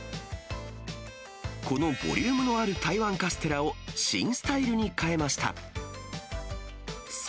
このボリュームのある台湾カステラを、新スタイルに変えました。